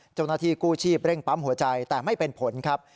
เจ้าหน้าที่กู้ชีพเร่งปั๊มหัวใจแต่ไม่เป็นผลครับ